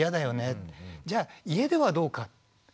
じゃあ家ではどうか。